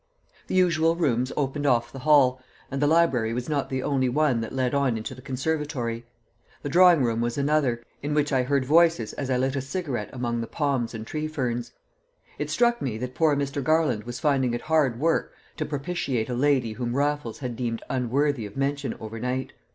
The usual rooms opened off the hall, and the library was not the only one that led on into the conservatory; the drawing room was another, in which I heard voices as I lit a cigarette among the palms and tree ferns. It struck me that poor Mr. Garland was finding it hard work to propitiate the lady whom Raffles had deemed unworthy of mention overnight.